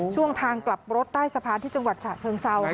ช่วงทางกลับรถใต้สะพานที่จังหวัดฉะเชิงเซา